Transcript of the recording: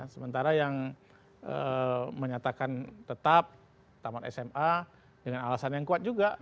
sementara yang menyatakan tetap taman sma dengan alasan yang kuat juga